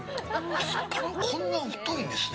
アスパラこんな太いんですね